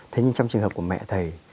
thế nhưng trong trường hợp của mẹ thầy